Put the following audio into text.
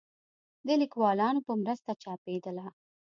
د ليکوالانو په مرسته چاپېدله